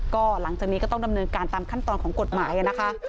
ก็หลังจากนี้ก็ต้องดำเนินการตามขั้นตอนของกฎหมายนะคะ